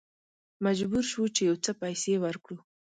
مجبور شوو چې یو څه پیسې ورکړو.